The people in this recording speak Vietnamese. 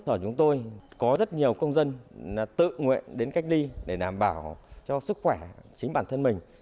ở chúng tôi có rất nhiều công dân tự nguyện đến cách ly để đảm bảo cho sức khỏe chính bản thân mình